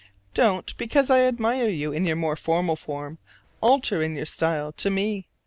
Don't, because I admire you in your more formal form, alter in your style to me.